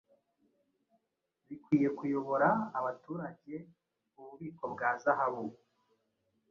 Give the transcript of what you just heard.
Bikwiye kuyobora abaturageububiko bwa zahabu